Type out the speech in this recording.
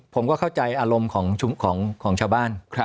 ผมก็เข้าใจอารมณ์ของชาวบ้าน